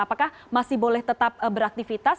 apakah masih boleh tetap beraktivitas